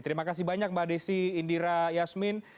terima kasih banyak mbak desi indira yasmin